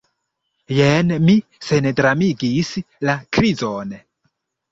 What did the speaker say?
Jen, mi sendramigis la krizon.